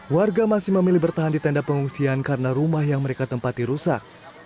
warga masih memilih bertahan di tenda pengungsian karena rumah yang mereka tempati rusak